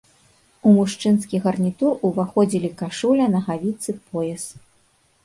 У мужчынскі гарнітур уваходзілі кашуля, нагавіцы, пояс.